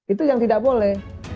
itu yang tidak boleh